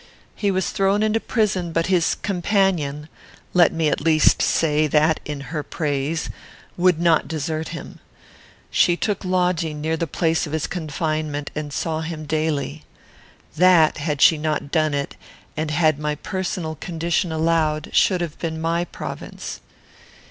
He was thrown into prison, but his companion let me, at least, say that in her praise would not desert him. She took lodging near the place of his confinement, and saw him daily. That, had she not done it, and had my personal condition allowed, should have been my province.